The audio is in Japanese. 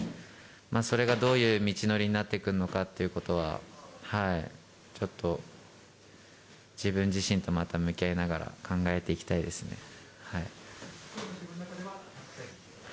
それがどういう道のりになってくるのかっていうことは、ちょっと、自分自身とまた向き合いながら、考えていきたいですね。